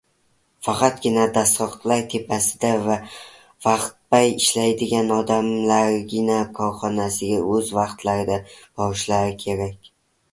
Faqatgina dastgohlar tepasida va vaqtbay ishlaydigan odamlargina korxonasiga o‘z vaqtlarida borishlari kerak.